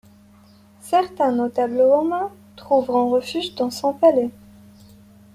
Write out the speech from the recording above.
Certains notables romains trouveront refuge dans son palais.